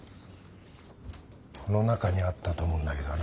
この中にあったと思うんだけどな。